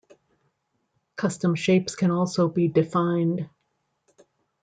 Custom shapes can also be defined.